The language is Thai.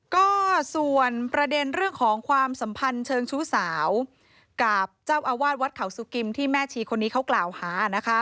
ก็ส่วนประเด็นเรื่องของความสัมพันธ์เชิงชู้สาวกับเจ้าอาวาสวัดเขาสุกิมที่แม่ชีคนนี้เขากล่าวหานะคะ